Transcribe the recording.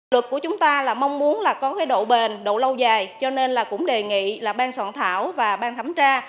luật của chúng ta là mong muốn là có cái độ bền độ lâu dài cho nên là cũng đề nghị là ban soạn thảo và ban thẩm tra